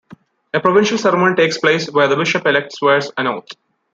A provincial ceremony takes place where the bishop-elect swears an oath.